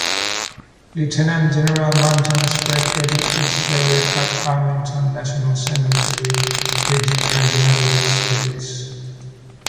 Lieutenant General Manton Sprague Eddy is buried at Arlington National Cemetery, Virginia, United States.